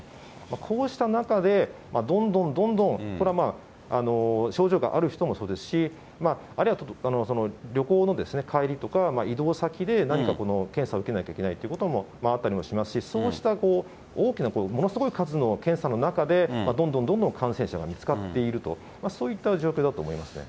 こうした中で、どんどんどんどん、これはまあ、症状がある人もそうですし、あるいは旅行の帰りとか、移動先で何かこの検査受けないといけないということもあったりもしますし、そうした大きなものすごい数の検査の中でどんどんどんどん感染者が見つかっていると、そういった状況だと思いますね。